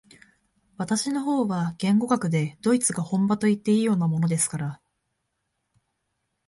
私の方は言語学でドイツが本場といっていいようなものですから、